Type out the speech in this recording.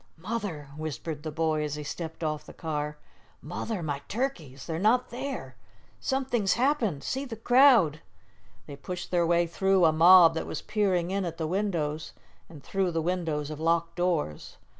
"Mother," whispered the boy, as he stepped off the car, "Mother, my turkeys! They're not there! Something's happened. See the crowd." They pushed their way through a mob that was peering in at the windows, and through the windows of locked doors.